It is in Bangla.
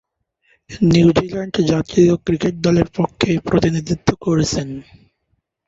নিউজিল্যান্ড জাতীয় ক্রিকেট দলের পক্ষে প্রতিনিধিত্ব করেছেন।